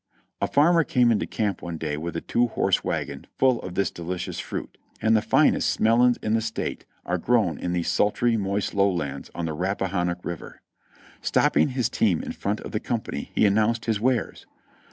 A farmer came into camp one day with a two horse wagon full of this delicious fruit — and the finest melons in the State are grown in these sultry, moist lowlands on the Rappahannock River. Stopping his team in front of the company he announced his wares.